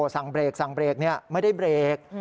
สั่งเบรกไม่ได้เบรก